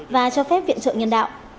và cho phép viện trợ nhân đạo